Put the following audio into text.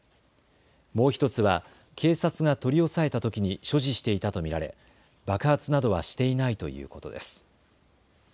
もう１つは警察が取り押さえたときに所持していたと見られ爆発などはしていないということです。